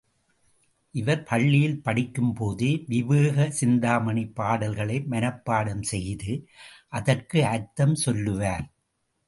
இவர் பள்ளியில் படிக்கும்போதே விவேக சிந்தாமணி பாடல்களை மனப்பாடம் செய்து, அதற்கு அர்த்தம் சொல்லுவார்.